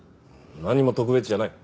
何も特別じゃない。